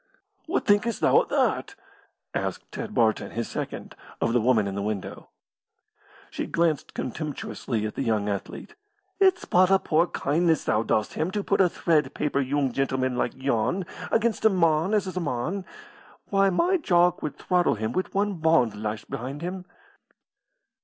"What thinkest thou o' that?" asked Ted Barton, his second, of the woman in the window. She glanced contemptuously at the young athlete. "It's but a poor kindness thou dost him to put a thread paper yoong gentleman like yon against a mon as is a mon. Why, my Jock would throttle him wi' one bond lashed behind him."